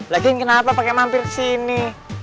lagian kenapa pakai mampir sini